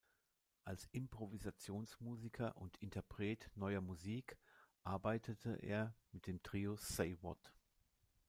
Als Improvisationsmusiker und Interpret neuer Musik arbeitete er mit dem Trio "Say What!